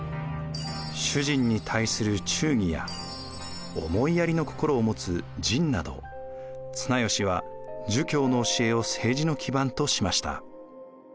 主人に対する「忠義」や思いやりの心を持つ「仁」など綱吉は儒教の教えを政治の基盤としました。